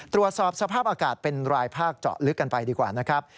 ตรวจสอบสภาพอากาศเป็นรายภาคเจาะลึกกันไปดีกว่านะครับ